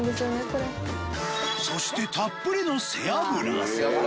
そしてたっぷりの背脂